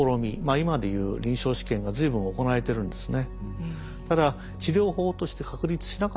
今で言う臨床試験が随分行われてるんですね。